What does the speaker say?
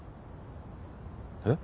えっ？